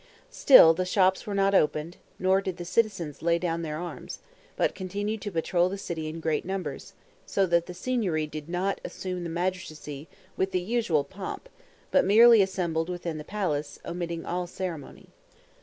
Still the shops were not opened, nor did the citizens lay down their arms, but continued to patrol the city in great numbers; so that the Signory did not assume the magistracy with the usual pomp, but merely assembled within the palace, omitting all ceremony.